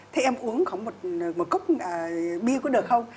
thế em uống có một cốc bia có được không